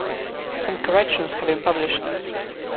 Some corrections have been published.